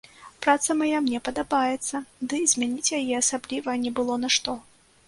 Праца мая мне падабаецца, ды і змяняць яе асабліва не было на што.